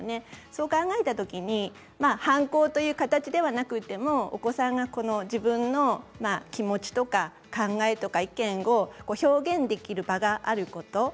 そう考えたときに反抗という形ではなくてもお子さんが自分の気持ちとか考え意見を表現できる場があるということ。